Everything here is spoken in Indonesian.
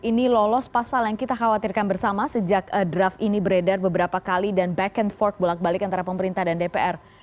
ini lolos pasal yang kita khawatirkan bersama sejak draft ini beredar beberapa kali dan back and fort bolak balik antara pemerintah dan dpr